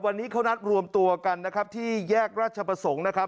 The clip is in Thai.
วันนี้เขานัดรวมตัวกันนะครับที่แยกราชประสงค์นะครับ